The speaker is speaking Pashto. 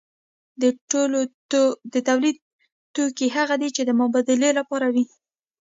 د تولید توکي هغه دي چې د مبادلې لپاره وي.